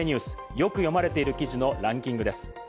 よく読まれている記事のランキングです。